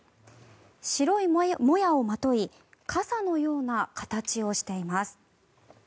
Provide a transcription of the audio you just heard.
白いもやをまとい傘のような形をしています。